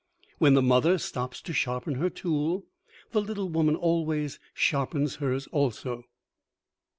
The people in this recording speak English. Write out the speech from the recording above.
When the mother stops to sharpen her tool, the little woman always sharpens hers also.